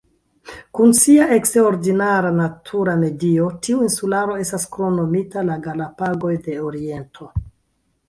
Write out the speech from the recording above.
Kun sia eksterordinara natura medio, tiu insularo estas kromnomita "La Galapagoj de Oriento".